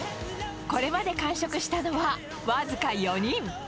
これまで完食したのは、僅か４人。